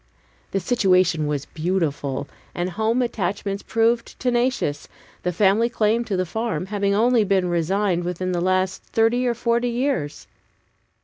The situation was beautiful, and home attachments proved tenacious, the family claim to the farm having only been resigned within the last thirty or forty years.